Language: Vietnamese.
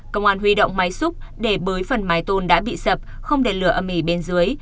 công an huy động máy xúc để bới phần mái tôn đã bị sập không để lửa âm ỉ bên dưới